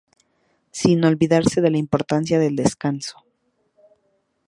Sin olvidarse de la importancia del descanso.